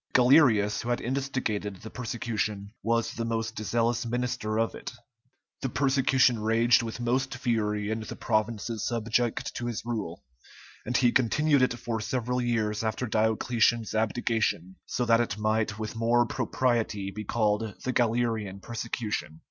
Galerius, who had instigated the persecution, was the most zealous minister of it; the persecution raged with most fury in the provinces subject to his rule, and he continued it for several years after Diocletian's abdication, so that it might with more propriety be called the Galerian persecution.